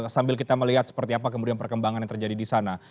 sambil kita melihat seperti apa kemudian perkembangan yang terjadi di sana